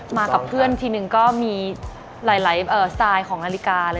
มากับเพื่อนทีนึงก็มีหลายสไตล์ของนาฬิกา